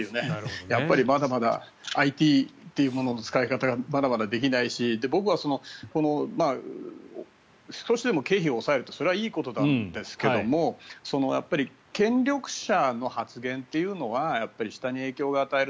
やっぱりまだまだＩＴというものの使い方がまだまだできないし少しでも経費を抑えるというそれはいいことなんですけども権力者の発言っていうのは下に影響を与える。